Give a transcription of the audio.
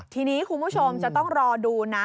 ทีนี้คุณผู้ชมจะต้องรอดูนะ